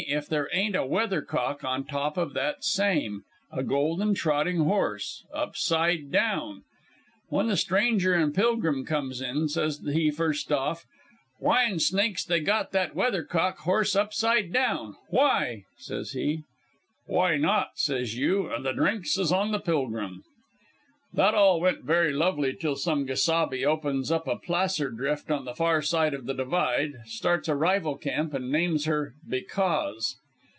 if there ain't a weathercock on top of that same a golden trotting horse upside down. When the stranger an' pilgrim comes in, says he first off: 'Why'n snakes they got that weathercock horse upside down why?' says he. 'Why not,' says you, and the drinks is on the pilgrim. "That all went very lovely till some gesabe opens up a placer drift on the far side the divide, starts a rival camp, an' names her Because.